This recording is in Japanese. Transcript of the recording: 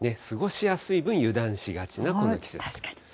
過ごしやすい分、油断しがちなこの季節。